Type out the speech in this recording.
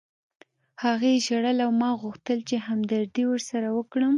هغې ژړل او ما غوښتل چې همدردي ورسره وکړم